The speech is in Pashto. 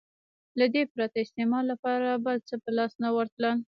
له دې پرته استعمار لپاره بل څه په لاس نه ورتلل.